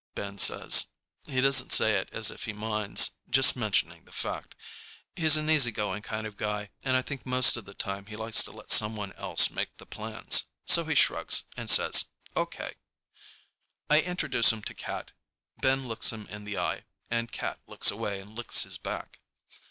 Ben says. He doesn't say it as if he minds—just mentioning the fact. He's an easygoing kind of guy, and I think most of the time he likes to let someone else make the plans. So he shrugs and says, "O.K." I introduce him to Cat. Ben looks him in the eye, and Cat looks away and licks his back.